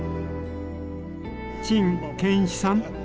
陳建一さん